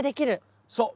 そう。